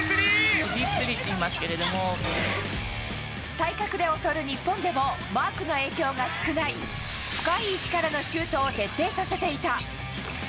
体格で劣る日本でもマークの影響が少ない深い位置からのシュートを徹底させていた。